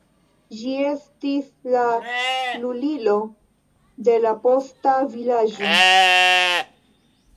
Ĝi estis la lulilo de la posta vilaĝo.